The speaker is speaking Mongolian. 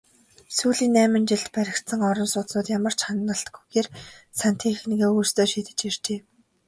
Сүүлийн найман жилд баригдсан орон сууцнууд ямар ч хяналтгүйгээр сантехникээ өөрсдөө шийдэж иржээ.